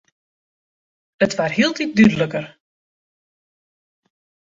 It waard hieltiten dúdliker.